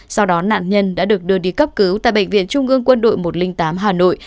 sau đó nạn nhân đã được đưa đi cấp cứu tại bệnh viện trung ương quân đội một trăm linh tám hà nội